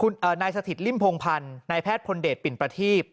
นายสถิตริ่มพงพันธ์นายแพทย์พลเดชปิ่นประทีบ